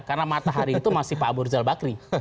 karena matahari itu masih pak abu rizal bakri